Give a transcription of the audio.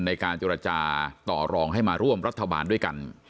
ในการเจรจาต่อรองให้มาร่วมรัฐบาลด้วยกัน